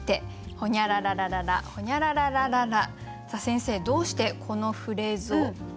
先生どうしてこのフレーズを？